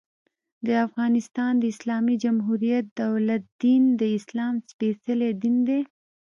د افغانستان د اسلامي جمهوري دولت دين، د اسلام سپيڅلی دين دى.